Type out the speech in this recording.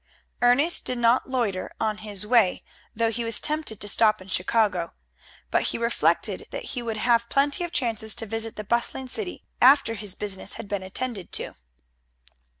Ernest did not loiter on his way, though he was tempted to stop in Chicago, but he reflected that he would have plenty of chances to visit that bustling city after his business had been attended to.